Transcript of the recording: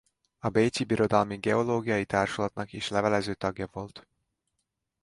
A bécsi birodalmi geológiai társulatnak is levelező tagja volt.